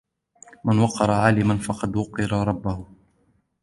مَنْ وَقَّرَ عَالِمًا فَقَدْ وَقَّرَ رَبَّهُ